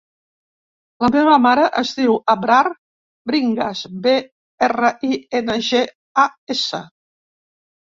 La meva mare es diu Abrar Bringas: be, erra, i, ena, ge, a, essa.